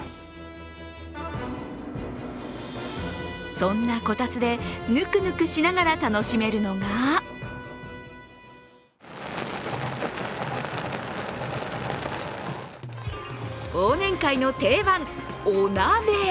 そんなこたつで、ぬくぬくしながら楽しめるのが忘年会の定番、お鍋。